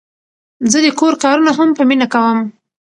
زه د کور کارونه هم په مینه کوم.